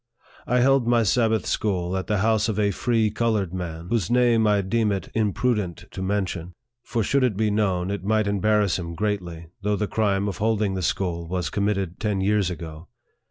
I held my Sabbath school at the house of a free colored man, whose name I deem it imprudent to men tion ; for should it be known, it might embarrass him greatly, though the crime of holding the school was committed ten years ago.